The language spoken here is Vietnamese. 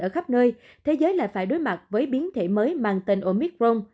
ở khắp nơi thế giới lại phải đối mặt với biến thể mới mang tên omicron